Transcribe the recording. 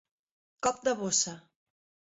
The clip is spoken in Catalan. Cop de bossa.